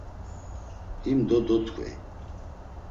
Himdo dot̆ǩvey.